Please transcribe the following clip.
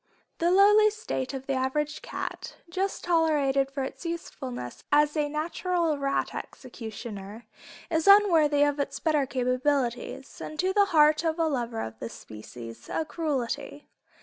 The lowly state of the average cat, just tolerated for its usefulness as a natural rat executioner, is unworthy of its better capabilities, and to the heart of a lover of the species, a cruelty.